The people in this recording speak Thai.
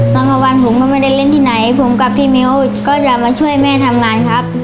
กลางวันผมก็ไม่ได้เล่นที่ไหนผมกับพี่มิ้วก็จะมาช่วยแม่ทำงานครับ